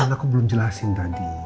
aku belum jelasin tadi